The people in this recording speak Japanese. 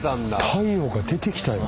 太陽が出てきたよ